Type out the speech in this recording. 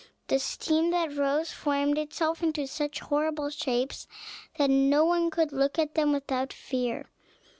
The steam that rose formed itself into such horrible shapes that no one could look at them without fear.